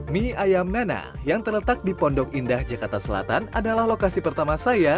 mie ayam nana yang terletak di pondok indah jakarta selatan adalah lokasi pertama saya